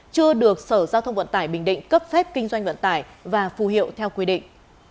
chưa được sở giao thông vận tải bình định cấp phép kinh doanh vận tải và phù hiệu theo quy định